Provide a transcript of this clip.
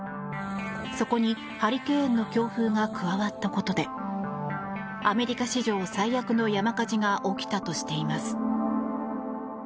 そこに、ハリケーンの強風が加わったことでアメリカ史上最悪の山火事が起きたとしています。